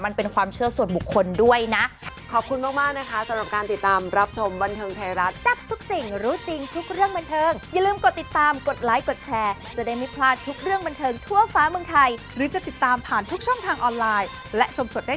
มันเป็นความเชื่อส่วนบุคคลด้วยนะ